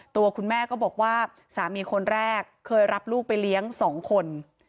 ตัวคุณแม่ก็บอกว่าสามีคนแรกเคยรับลูกไปเลี้ยง๒คน